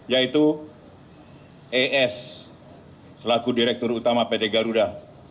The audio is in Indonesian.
yaitu es selaku direktur utama pd garuda